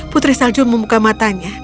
putri salju membuka matanya